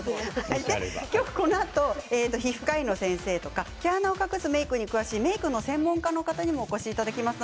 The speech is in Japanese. このあと皮膚科医の先生とか毛穴を隠すメークに詳しいメークの専門家にもお越しいただきます。